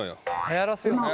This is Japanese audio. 「はやらせよう」な。